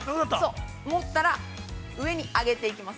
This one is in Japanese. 持ったら、上に上げていきます。